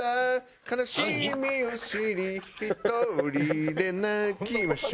「悲しみを知り独りで泣きましょう」